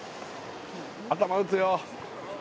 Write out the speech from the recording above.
頭打つよ。